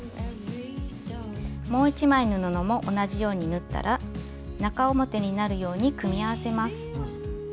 もう一枚の布も同じように縫ったら中表になるように組み合わせます。